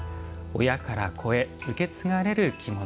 「親から子へ受け継がれる着物」。